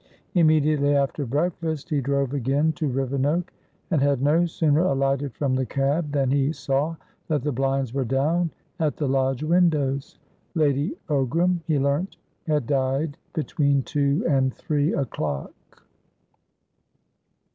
Immediately after breakfast, he drove again to Rivenoak, and had no sooner alighted from the cab than he saw that the blinds were down at the lodge windows. Lady Ogram, he learnt, had died between two and three o'clock.